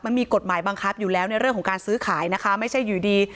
มันมีกฎหมายบังคับอยู่แล้วในเรื่องของการซื้อขายนะคะไม่ใช่อยู่ดี